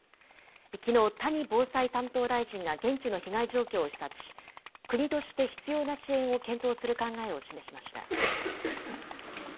きのう、谷防災担当大臣が現地の被害状況を視察し、国として必要な支援を検討する考えを示しました。